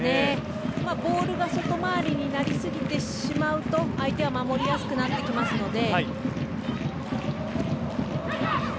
ボールが外回りになりすぎてしまうと相手は守りやすくなってきますので。